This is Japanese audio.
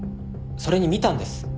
それに見たんです。